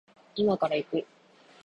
今から行く